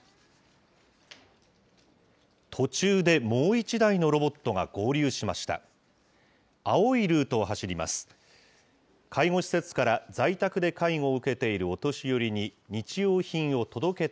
途中でもう１台のロボットが合流しました。